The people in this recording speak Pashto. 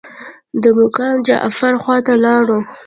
د مقام جعفر خواته لاړو.